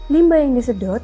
limbah yang disedot